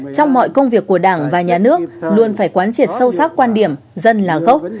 trong mọi công việc của đảng và nhà nước luôn phải quán triệt sâu sắc quan điểm dân là gốc